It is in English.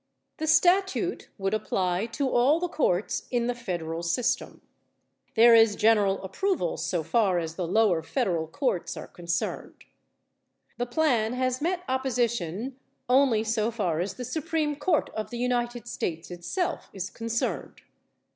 The statute would apply to all the courts in the federal system. There is general approval so far as the lower federal courts are concerned. The plan has met opposition only so far as the Supreme Court of the United States itself is concerned.